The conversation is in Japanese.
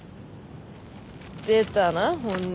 出たな本音。